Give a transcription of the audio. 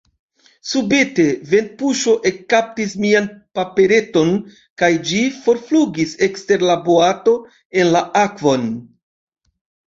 Subite ventpuŝo ekkaptis mian papereton kaj ĝi forflugis ekster la boato en la akvon.